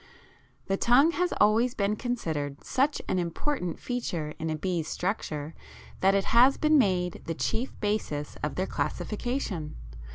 The tongue has always been considered such an important feature in a bee's structure that it has been made the chief basis of their classification.